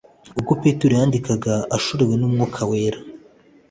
ubwo Petero yandikaga ashorewe n'Umwuka wera,